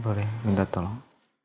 boleh minta tolong